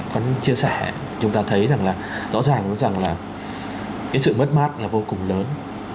con chia sẻ chúng ta thấy rằng là rõ ràng là cái sự mất mát là vô cùng lớn